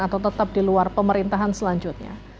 atau tetap di luar pemerintahan selanjutnya